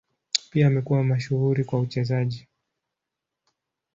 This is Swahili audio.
Pia amekuwa mashuhuri kwa uchezaji.